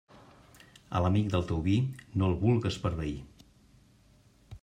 A l'amic del teu vi no el vulgues per veí.